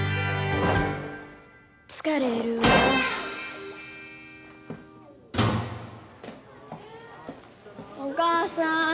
「疲れるわ」お母さん水。